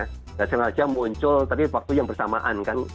tidak sengaja muncul tadi waktu yang bersamaan kan